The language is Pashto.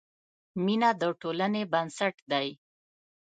مینه د ټولنې بنسټ دی.